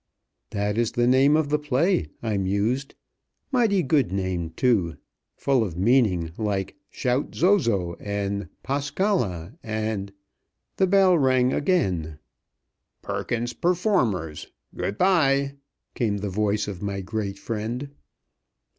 "That is the name of the play," I mused. "Mighty good name, too. Full of meaning, like 'shout Zo Zo' and 'Paskala' and " The bell rang again. "Perkins's performers. Good by," came the voice of my great friend.